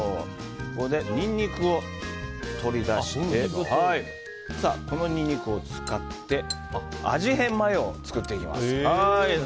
ここでニンニクを取り出してこのニンニクを使って味変マヨを作っていきます。